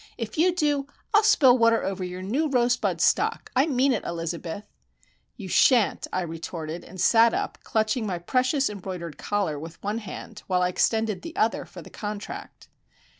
"If you do, I'll spill water over your new rosebud stock. I mean it, Elizabeth!" "You shan't!" I retorted; and sat up, clutching my precious embroidered collar with one hand, while I extended the other for the contract.